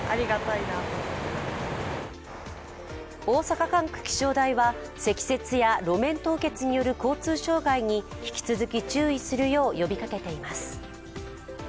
大阪管区気象台は積雪や路面凍結による交通障害に引き続き注意するよう呼びかけています。